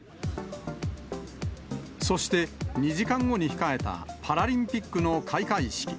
そして２時間後に控えたパラリンピックの開会式。